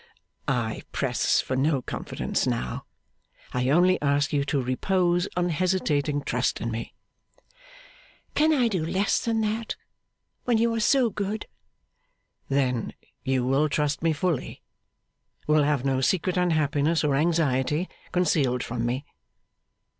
'I press for no confidence now. I only ask you to repose unhesitating trust in me.' 'Can I do less than that, when you are so good!' 'Then you will trust me fully? Will have no secret unhappiness, or anxiety, concealed from me?